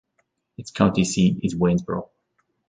Its county seat is Waynesboro.